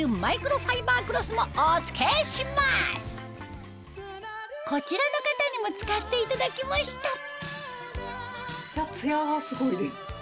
拭き取りに使えるこちらの方にも使っていただきましたツヤがすごいです。